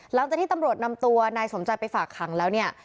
หลังจากที่ตำรวจนำตัวนายสมใจไปฝากขังแล้วเนี่ย